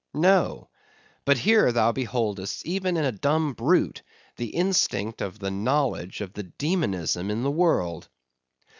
No: but here thou beholdest even in a dumb brute, the instinct of the knowledge of the demonism in the world.